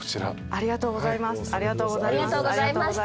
ありがとうございます。